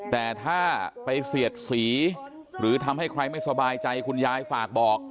แต่ถ้าไปเสียดสีหรือทำให้ใครไม่สบายใจคุณยายฝากบอก